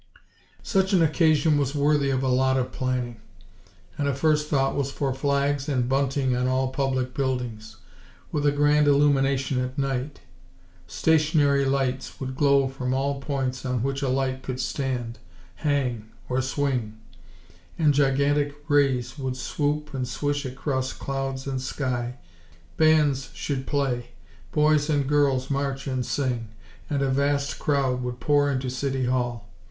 Such an occasion was worthy of a lot of planning; and a first thought was for flags and bunting on all public buildings; with a grand illumination at night. Stationary lights should glow from all points on which a light could stand, hang, or swing; and gigantic rays should swoop and swish across clouds and sky. Bands should play; boys and girls march and sing; and a vast crowd would pour into City Hall.